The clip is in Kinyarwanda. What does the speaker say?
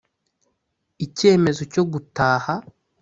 icyemezo cyo gutaha